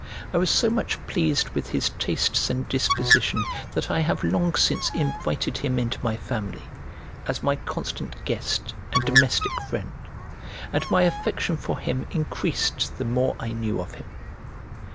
I was so much pleased with his tastes and disposition that I have long since invited him into my family, as my constant guest and domestic friend; and my affection for him increased the more I knew of him.